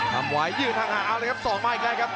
ทำไวยยืนทางหาเอาเลยครับ๒มาอีกแล้วครับ